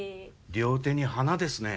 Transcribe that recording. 両手に花ですね。